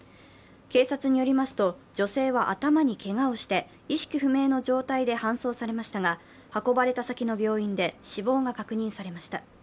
警察によりますと、女性は頭にけがをして意識不明の状態で搬送されましたが運ばれた先の病院で死亡が確認されました。